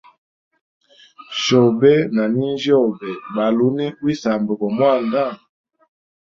Shobe na ninjyobe bali uni wisamba go mwanda.